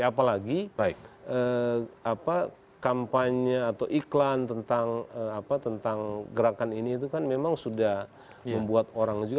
apalagi kampanye atau iklan tentang gerakan ini itu kan memang sudah membuat orang juga